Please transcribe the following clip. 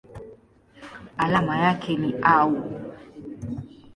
Alama yake ni Au.